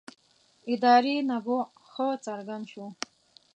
ادارې نبوغ ښه څرګند شو.